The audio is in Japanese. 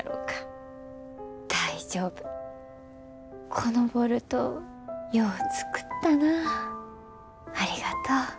「このボルトよう作ったなありがとう」。